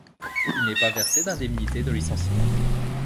Il n'est pas versé d'indemnité de licenciement.